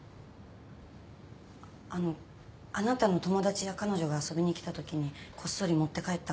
あのあなたの友達や彼女が遊びに来たときにこっそり持って帰った可能性は。